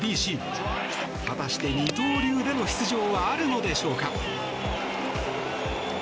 果たして二刀流での出場はあるのでしょうか。